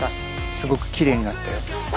すごくきれいになったよ。